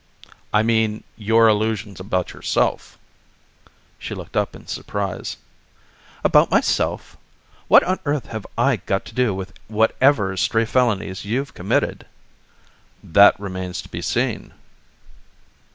"I mean your illusions about yourself." She looked up in surprise. "About myself! What on earth have I got to do with whatever stray felonies you've committed?" "That remains to be seen."